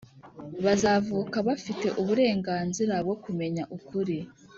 bazavuka bafite uburenganzira bwo kumenya ukuri